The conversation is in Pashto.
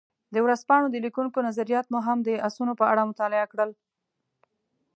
د ورځپاڼو د لیکونکو نظریات مو هم د اسونو په اړه مطالعه کړل.